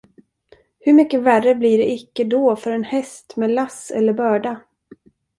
Hur mycket värre blir det icke då för en häst med lass eller börda.